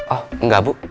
oh enggak bu